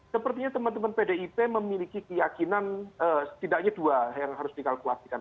sepertinya teman teman pdip memiliki keyakinan setidaknya dua yang harus dikalkulasikan